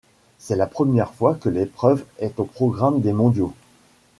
C'est la première fois que l'épreuve est au programme des mondiaux.